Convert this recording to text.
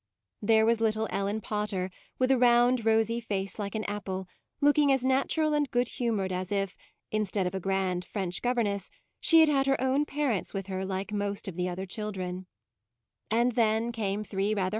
There was little Ellen Potter, with a round rosy face like an apple, look ing as natural and good humoured as if, instead of a grand French govern ess, she had had her own parents with her like most of the other chil dren ; and then came three rather MAUDE